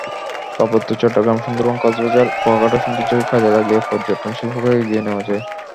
পার্বত্য চট্টগ্রাম, সুন্দরবন, কক্সবাজার, কুয়াকাটার সৌন্দর্যকে কাজে লাগিয়ে পর্যটনশিল্পকে এগিয়ে নেওয়া যায়।